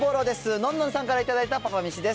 のんのんさんから頂いたパパめしです。